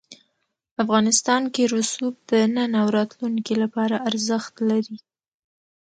افغانستان کې رسوب د نن او راتلونکي لپاره ارزښت لري.